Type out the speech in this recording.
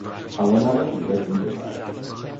Alla narrativa è giunto tardi.